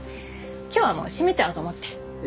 今日はもう閉めちゃおうと思って。